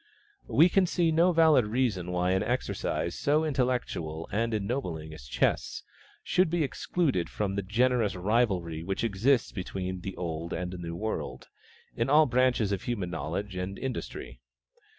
We can see no valid reason why an exercise so intellectual and ennobling as chess, should be excluded from the generous rivalry which exists between the Old and the New World, in all branches of human knowledge and industry.